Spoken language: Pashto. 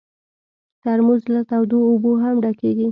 ترموز له تودو اوبو هم ډکېږي.